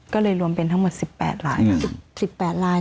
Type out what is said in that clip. ก็เลยรวมเป็นทั้งหมด๑๘ราย